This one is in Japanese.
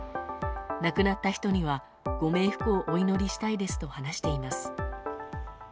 亡くなった人にはご冥福をお祈りしたいですと話しています。